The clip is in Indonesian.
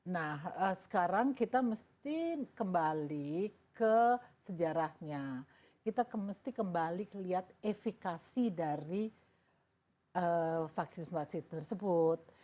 nah sekarang kita mesti kembali ke sejarahnya kita mesti kembali kelihat efekasi dari vaksin vaksin tersebut